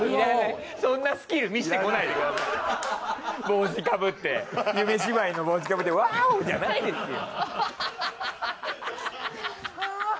帽子かぶって『夢芝居』の帽子かぶってＷｏｗじゃないですよ。